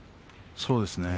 そうですね。